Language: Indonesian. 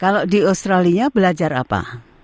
kalau di australia belajar apa